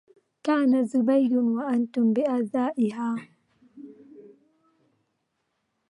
كانت زبيد وأنتم بازائها